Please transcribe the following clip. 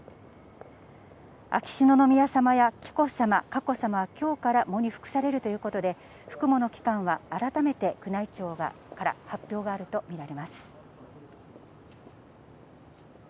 秋篠宮さまや紀子さま、佳子さまはきょうから喪に服されるということで、服喪の期間は改めて宮内庁から発表があると見られます。